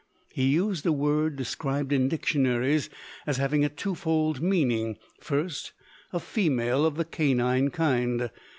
He used a word, described in dictionaries as having a twofold meaning. (First, "A female of the canine kind."